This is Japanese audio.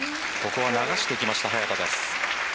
ここは流してきました早田です。